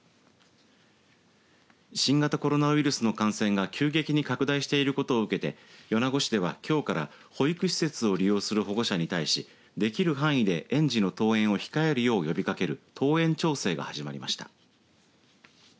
新型コロナウイルスの感染が急激に拡大していることを受けて米子市ではきょうから保育施設を利用する保護者に対しできる範囲で園児の登園を控えるようを呼びかける登園調整が始まりました。